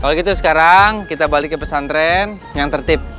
kalau gitu sekarang kita balik ke pesantren yang tertib